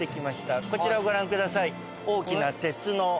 こちらをご覧ください。